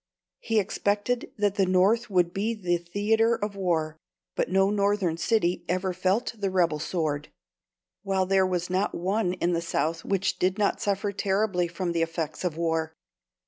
He expected that the North would be the theatre of war, but no Northern city ever felt the rebel sword, while there was not one in the South which did not suffer terribly from the effects of war.